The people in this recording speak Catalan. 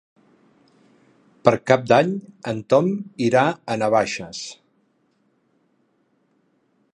Per Cap d'Any en Tom irà a Navaixes.